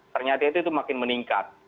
ternyata itu makin meningkat